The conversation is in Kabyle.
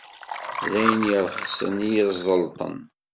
D ayen iṛexsen i yeẓellṭen.